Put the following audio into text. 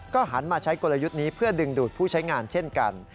หันมาใช้กลยุทธ์นี้เพื่อดึงดูดผู้ใช้งานเช่นกัน